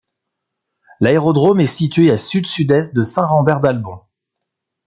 L'aérodrome est situé à sud-sud-est de Saint-Rambert-d'Albon.